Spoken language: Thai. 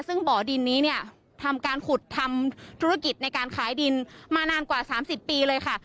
ซึ่งบ่อดินนี้เนี่ยทำการขุดทำธุรกิจในการขายดินมานานกว่า๓๐ปีเลยค่ะ